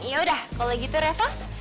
yaudah kalo gitu reva